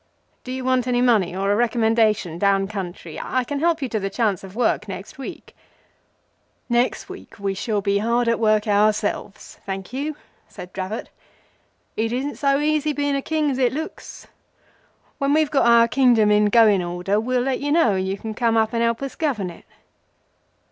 Do you want any money or a recommendation down country? I can help you to the chance of work next week." "Next week we shall be hard at work ourselves, thank you," said Dravot. "It isn't so easy being a King as it looks. When we've got our Kingdom in going order we'll let you know, and you can come up and help us to govern it."